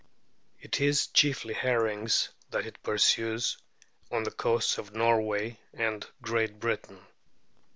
It is chiefly herrings that it pursues on the coasts of Norway and Great Britain.